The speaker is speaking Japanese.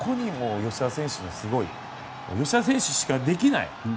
あれは吉田選手しかできない。